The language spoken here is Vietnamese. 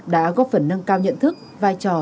đã góp phần nâng cao nhận thức vai trò